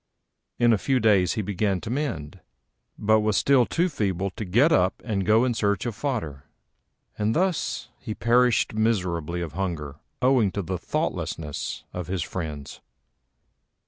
In a few days he began to mend, but was still too feeble to get up and go in search of fodder; and thus he perished miserably of hunger owing to the thoughtlessness of his friends.